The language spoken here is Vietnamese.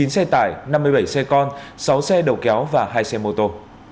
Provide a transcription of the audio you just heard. chín xe tải năm mươi bảy xe con sáu xe đầu kéo và hai xe mô tô